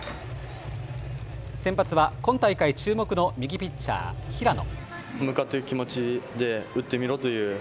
先発は今大会注目の右ピッチャー、平野。